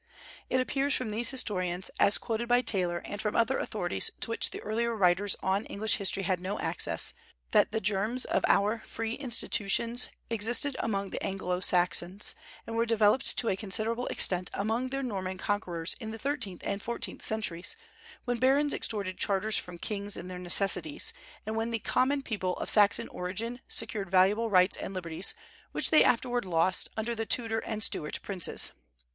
It appears from these historians, as quoted by Taylor, and from other authorities to which the earlier writers on English history had no access, that the germs of our free institutions existed among the Anglo Saxons, and were developed to a considerable extent among their Norman conquerors in the thirteenth and fourteenth centuries, when barons extorted charters from kings in their necessities, and when the common people of Saxon origin secured valuable rights and liberties, which they afterwards lost under the Tudor and Stuart princes.